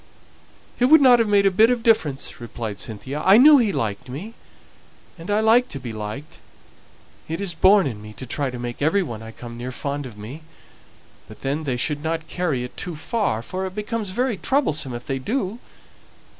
"It wouldn't have made a bit of difference," replied Cynthia. "I knew he liked me, and I like to be liked; it's born in me to try to make every one I come near fond of me; but then they shouldn't carry it too far, for it becomes very troublesome if they do.